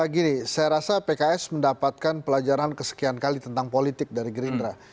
gini saya rasa pks mendapatkan pelajaran kesekian kali tentang politik dari gerindra